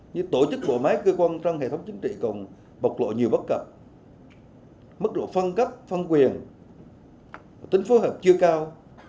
như tổ chức bộ máy cơ quan trong hệ thống chính trị còn bộc lộ nhiều bất cập mức độ phân cấp phân quyền tính phối hợp chưa cao